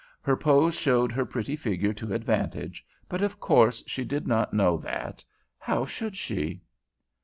Her pose showed her pretty figure to advantage, but, of course, she did not know that. How should she?